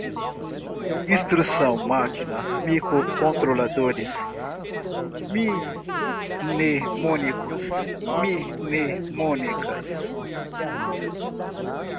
instrução-máquina, microcontroladores, mnemônicos, mnemônicas